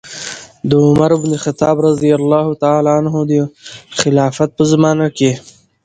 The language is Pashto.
د عمر بن الخطاب رضي الله عنه د خلافت په زمانه کې